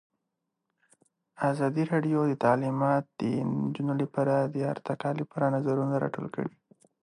ازادي راډیو د تعلیمات د نجونو لپاره د ارتقا لپاره نظرونه راټول کړي.